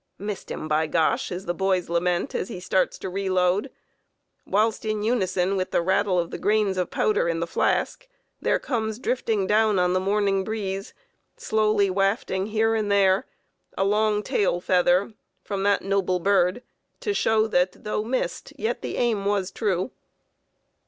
"Missed him, by gosh!" is the boy's lament as he starts to reload, whilst in unison with the rattle of the grains of powder in the flask, there comes drifting down on the morning breeze, slowly wafting here and there, a long tail feather from that noble bird to show that though missed, yet the aim was true.